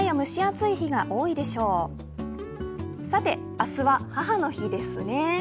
明日は母の日ですね。